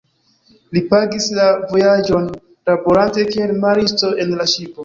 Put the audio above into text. Li pagis la vojaĝon laborante kiel maristo en la ŝipo.